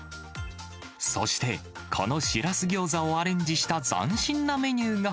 そして、このシラスギョーザをアレンジした斬新なメニューが。